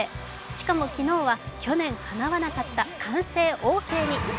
しかも昨日は去年、かなわなかった歓声オーケーに。